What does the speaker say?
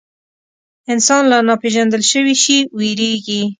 انسان له ناپېژندل شوي شي وېرېږي.